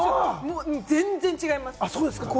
もう全然違います。